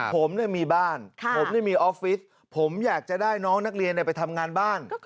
ผมมีบ้านผมมีออฟฟิศผมอยากจะได้น้องนักเรียนไปทำงานบ้าน